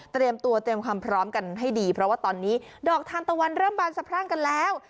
ตัวเตรียมความพร้อมกันให้ดีเพราะว่าตอนนี้ดอกทานตะวันเริ่มบานสะพรั่งกันแล้ว